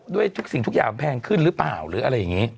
ด้วยทุกสิ่งทุกอย่างแพงขึ้นหรือเปล่าหรืออะไรอย่างนี้